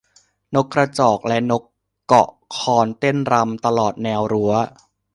นกกระจอกและนกเกาะคอนเต้นรำตลอดแนวรั้ว